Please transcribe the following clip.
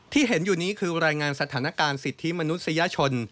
ที่เห็นอยู่นี้คือรายงานสถานการณ์สิทธิมนุษยชน